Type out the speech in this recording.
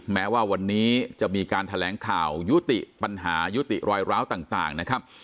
แม้ว่าวันนี้จะมีการแถลงข่าวยุติปัญหายุติรอยร้าวต่างนะครับ